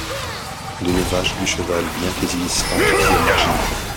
L'élevage du cheval, bien qu'existant, y est marginal.